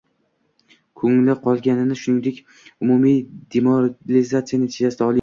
ko‘ngli qolganligini, shuningdek, umumiy demoralizatsiya natijasida “oliy